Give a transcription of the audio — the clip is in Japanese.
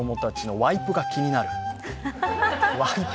ワイプが気になる。